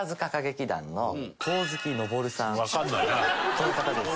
この方です。